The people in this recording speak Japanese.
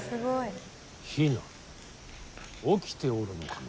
比奈起きておるのかな？